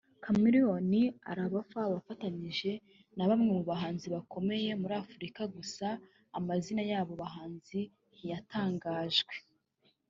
Chameleone arabafa afatanyije na bamwe mu bahanzi bakomeye muri Afurika gusa amazina yabo bahanzi ntiyatangajwe